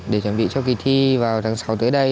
để chuẩn bị cho kỳ thi vào tháng sáu tới đây